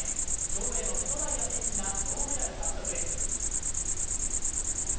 競泳の瀬戸大也選手が銅メダル獲得です。